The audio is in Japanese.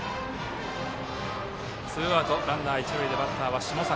ツーアウトランナー、一塁でバッターは下坂。